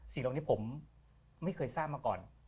สิ่งเหล่านี้ผมไม่เคยทราบมาก่อน